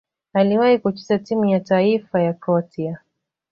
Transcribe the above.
Aliwahi kucheza timu ya taifa ya Kroatia.